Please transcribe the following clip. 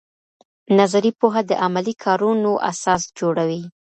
نظري پوهه د عملي کارونو اساس جوړوي.